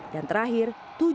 dan terakhir tujuh satu